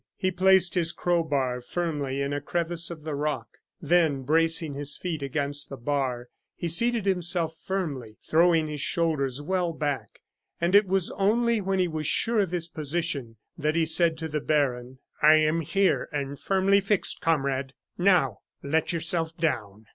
He placed his crowbar firmly in a crevice of the rock, then bracing his feet against the bar, he seated himself firmly, throwing his shoulders well back, and it was only when he was sure of his position that he said to the baron: "I am here and firmly fixed, comrade; now let yourself down."